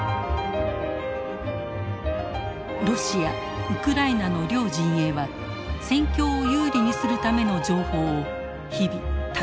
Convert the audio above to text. ロシアウクライナの両陣営は戦況を有利にするための情報を日々大量に発信。